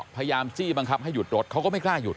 พยายามจี้บังคับให้หยุดรถเขาก็ไม่กล้าหยุด